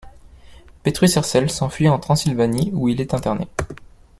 Petru Cercel s'enfuit en Transylvanie où il est interné.